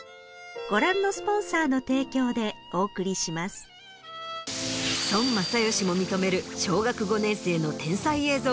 本麒麟孫正義も認める小学５年生の天才映像